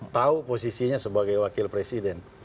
tahu posisinya sebagai wakil presiden